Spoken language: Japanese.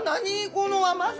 この甘さ！